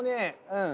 うん。